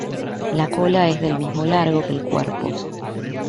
La cola es del mismo largo que el cuerpo.